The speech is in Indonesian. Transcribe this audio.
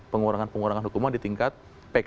pengurangan pengurangan hukuman di tingkat pk